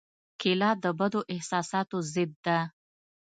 کېله د بدو احساساتو ضد ده.